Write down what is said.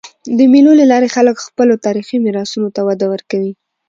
د مېلو له لاري خلک خپلو تاریخي میراثونو ته وده ورکوي.